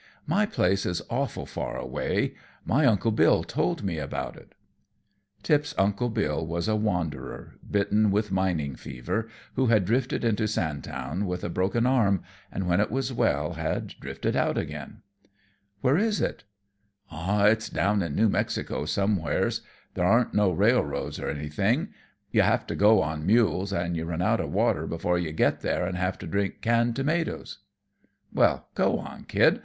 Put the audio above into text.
"My place is awful far away. My uncle Bill told me about it." Tip's Uncle Bill was a wanderer, bitten with mining fever, who had drifted into Sandtown with a broken arm, and when it was well had drifted out again. "Where is it?" "Aw, it's down in New Mexico somewheres. There aren't no railroads or anything. You have to go on mules, and you run out of water before you get there and have to drink canned tomatoes." "Well, go on, kid.